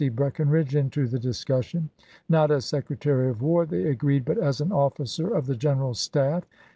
Breckinridge into the discus sion— not as Secretary of War, they agreed, but as an officer of the general's staff.